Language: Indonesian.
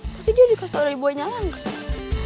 pasti dia dikasih tau dari buahnya langsung